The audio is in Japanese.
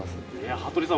羽鳥さん